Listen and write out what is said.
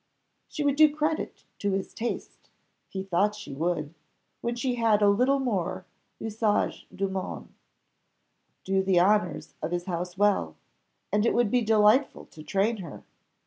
She would do credit to his taste; he thought she would, when she had a little more usage du monde, do the honours of his house well; and it would be delightful to train her!